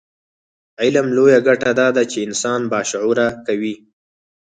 علم لویه ګټه دا ده چې انسان باشعوره کوي.